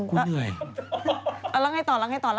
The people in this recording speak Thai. กูเหนื่อยเอาละไงต่อแล้วหรอ